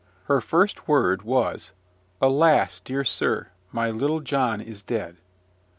Her first word was, "Alas! dear sir, my little John is dead."